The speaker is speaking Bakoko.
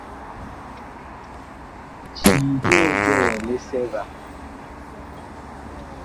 Cii joo jɔɔ lisɛ va.